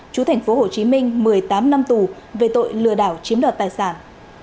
chú thành phố hồ chí minh một mươi tám năm tù về tội lừa đảo chiếm đoạt tài sản